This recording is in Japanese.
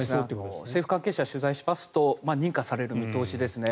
政府関係者を取材しますと認可される見通しですね。